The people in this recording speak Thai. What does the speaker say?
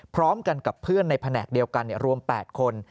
พร้อมกันกับเพื่อนในแผนกเดียวกันรวม๘คน